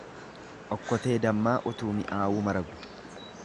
Okkotee dammaa utuu mi'aawuu maragu.